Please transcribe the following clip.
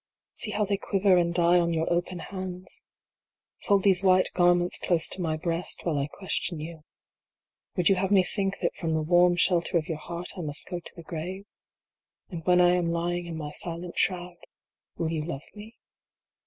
See how they quiver and die on your open hands. Fold these white garments close to my breast, while I question you. Would you have me think that from the warm shelter of your heart I must go to the grave ? And when I am lying in my silent shroud, will you love me